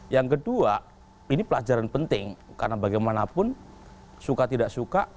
yang kedua ini pelajaran penting karena bagaimanapun suka tidak suka